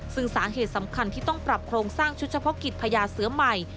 ซึ่งสาเหตุสำคัญที่ต้องปรับโครงสร้างชุดเฉพาะกิจพญาเสือใหม่